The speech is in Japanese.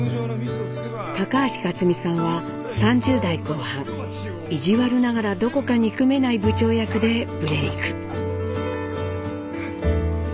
高橋克実さんは３０代後半意地悪ながらどこか憎めない部長役でブレーク。